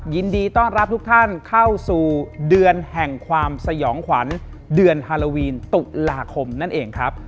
ยินดีต้อนรับทุกท่านเข้าสู่เดือนแห่งความสยองขวัญเดือนฮาโลวีนตุลาคมนั่นเองครับ